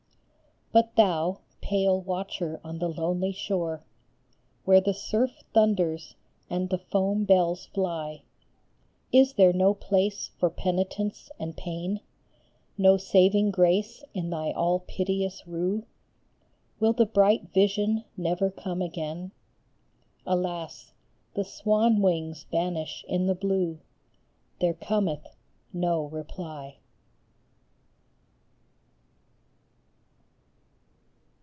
But thou, pale watcher on the lonely shore, Where the surf thunders, and the foam bells fly, Is there no place for penitence and pain, No saving grace in thy all piteous rue ? Will the bright vision never come again ? Alas, the swan wings vanish in the blue, There cometh no reply